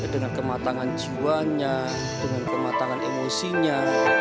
dengan kematangan jiwanya dengan kematangan emosinya